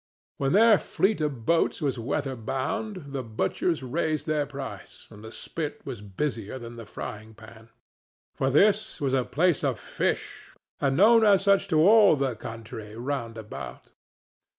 When their fleet of boats was weather bound, the butchers raised their price, and the spit was busier than the frying pan; for this was a place of fish, and known as such to all the country round about.